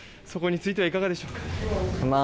そこについてはいかがでしょうか？